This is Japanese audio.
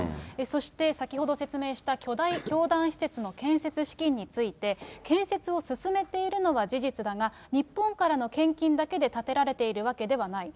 そして先ほど説明した巨大教団施設の建設資金について、建設を進めているのは事実だが、日本からの献金だけで建てられているわけではない。